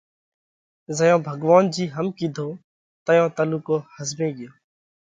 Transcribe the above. زئيون ڀڳوونَ جِي هم ڪِيڌو تئيون تلُوڪو ۿزمي ڳيو